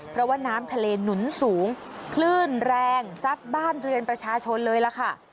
เพราะว่าน้ำทะเลหนุนสูงคลื่นแรงซัดบ้านเรือนประชาชนเลยล่ะค่ะ